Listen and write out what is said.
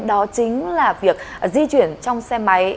đó chính là việc di chuyển trong xe máy